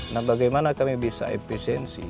nah bagaimana kami bisa efisiensi